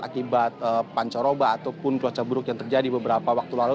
akibat pancoroba ataupun cuaca buruk yang terjadi beberapa waktu lalu